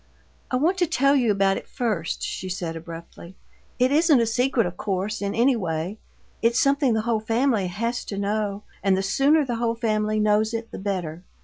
"I want to tell you about it first," she said, abruptly. "It isn't a secret, of course, in any way; it's something the whole family has to know, and the sooner the whole family knows it the better.